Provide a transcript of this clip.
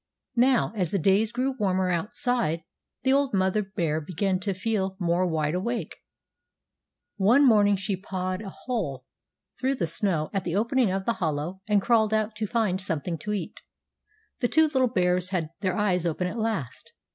Now as the days grew warmer outside the old mother bear began to feel more wide awake. One morning she pawed a hole through the snow at the opening of the hollow and crawled out to find something to eat. The two little bears had their eyes open at last.